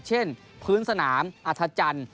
เช่นพื้นสนามอัธจันทร์